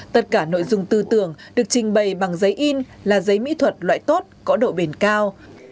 tất cả nội dung tư tưởng được trình bày bằng giấy in là giấy mỹ thuật loại tốt có độ bền cao